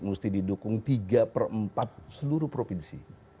mesti didukung tiga per empat seluruh provinsi